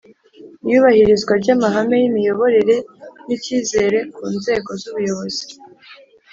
iyubahirizwa ry amahame y imiyoborere n icyizere ku nzego z ubuyobozi